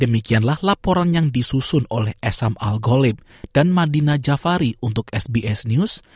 demikianlah laporan yang disusun oleh esam al golib dan madina jafari untuk sbs news